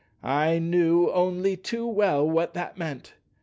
I knew only too well what that meant.